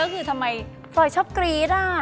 ก็คือทำไมพลอยชอบกรี๊ดอ่ะ